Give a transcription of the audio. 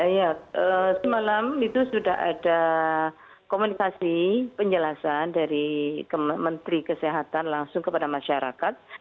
ya semalam itu sudah ada komunikasi penjelasan dari menteri kesehatan langsung kepada masyarakat